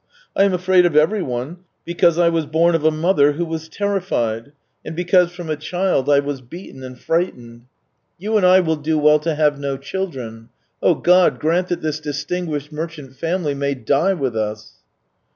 I am afraid of everyone, because I was born of a mother who was terrified, and because from a child I was beaten and frighten ed !... You and I will do well to have no children. Oh, God, grant that this distinguished merchant family may die with us